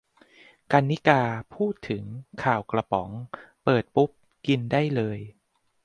กรรณิการ์ พูดถึง "ข่าวกระป๋อง" เปิดปุ๊บ กินได้เลย